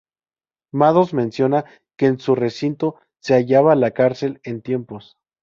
Madoz menciona que en su recinto se hallaba la cárcel en tiempos.